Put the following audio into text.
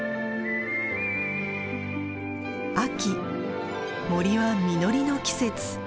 秋森は実りの季節。